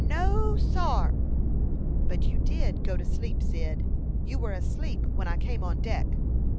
No, sar!" "But you did go to sleep, Cyd. You were asleep when I came on deck."